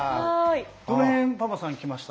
どの辺パパさんきました？